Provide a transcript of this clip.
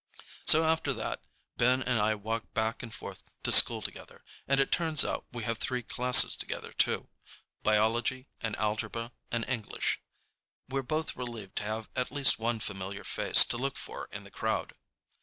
So after that Ben and I walk back and forth to school together, and it turns out we have three classes together, too—biology and algebra and English. We're both relieved to have at least one familiar face to look for in the crowd.